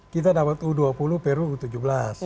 kita dapat u dua puluh peru u tujuh belas